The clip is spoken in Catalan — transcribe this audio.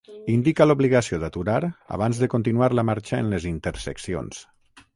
Indica l'obligació d'aturar abans de continuar la marxa en les interseccions.